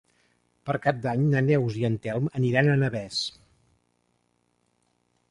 Per Cap d'Any na Neus i en Telm aniran a Navès.